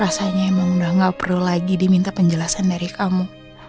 rasanya emang udah gak perlu lagi diminta penjelasan dari kamu